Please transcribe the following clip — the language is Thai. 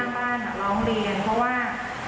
ข้างบ้านน่ะลองเรียน